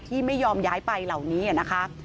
ที่ไม่ยอมย้ายไปเหล่านี้นะคะ